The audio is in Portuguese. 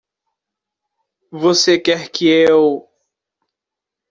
Você quer que eu?